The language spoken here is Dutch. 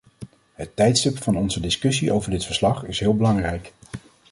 Het tijdstip van onze discussie over dit verslag is heel belangrijk.